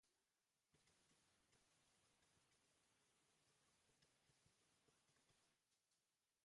Bitartean, talde gorrian porrot giroan murgildurik daude eta ezin dira hortik atera.